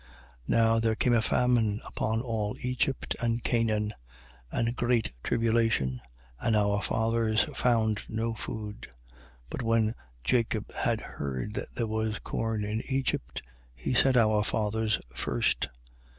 7:11. Now there came a famine upon all Egypt and Chanaan, and great tribulation: and our fathers found no food. 7:12. But when Jacob had heard that there was corn in Egypt, he sent our fathers first.